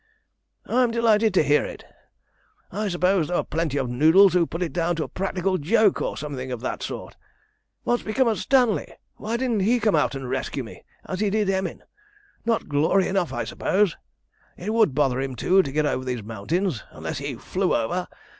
"I am delighted to hear it. I suppose there were plenty of noodles who put it down to a practical joke or something of that sort? What's become of Stanley? Why didn't he come out and rescue me, as he did Emin? Not glory enough, I suppose? It would bother him, too, to get over these mountains, unless he flew over.